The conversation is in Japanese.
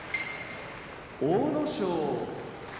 阿武咲